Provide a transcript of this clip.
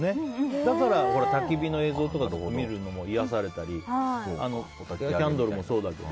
だからたき火の映像とか見るのも癒やされたりキャンドルもそうだけど。